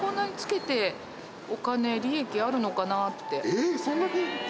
えそんなに！？